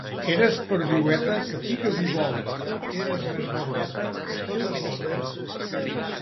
Eres perdiueta, que piques i voles; eres més guapeta, que totes les coses.